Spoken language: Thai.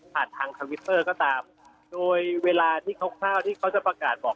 ผ่านทางทางทวิตเตอร์ก็ตามโดยเวลาที่เขาข้อมูลจะประกาศบอก